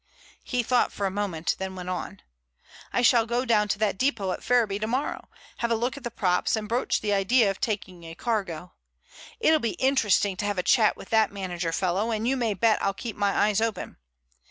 He thought for a moment, then went on: "I shall go down to that depot at Ferriby tomorrow, have a look at the props, and broach the idea of taking a cargo. It'll be interesting to have a chat with that manager fellow, and you may bet I'll keep my eyes open.